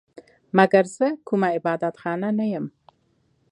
مګر زه کومه عبادت خانه نه یم